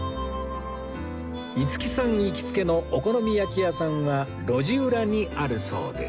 五木さん行きつけのお好み焼き屋さんは路地裏にあるそうです